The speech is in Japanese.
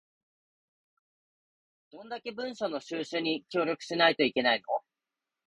どんだけ文書の収集に協力しないといけないの